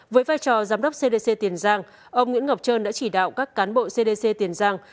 với vai trò giám đốc cdc tiền giang ông nguyễn ngọc trân đã chỉ đạo các cán bộ cdc tiền giang